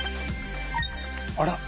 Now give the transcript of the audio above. あら？